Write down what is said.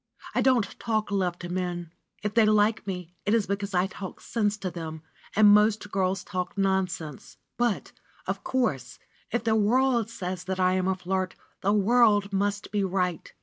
I don't talk love to men. If they like me, it is because I talk sense to them, and most girls talk nonsense. But, of course, if the world says that I am a flirt, the world must be right.